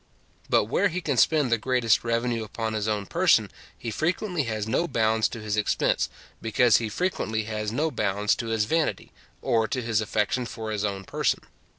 But where he can spend the greatest revenue upon his own person, he frequently has no bounds to his expense, because he frequently has no bounds to his vanity, or to his affection for his own person.